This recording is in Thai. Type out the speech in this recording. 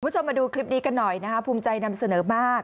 คุณผู้ชมมาดูคลิปนี้กันหน่อยนะครับภูมิใจนำเสนอมาก